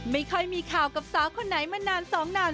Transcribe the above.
ไม่ค่อยมีข่าวกับสาวคนไหนมานานสองนาน